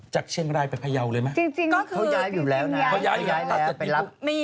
จากเชียงรายไปพายาวเลยมั้ย